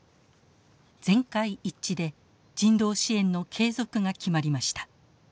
全会一致で人道支援の継続が決まりました。